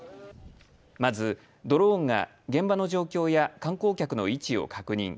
まず、ドローンが現場の状況や観光客の位置を確認。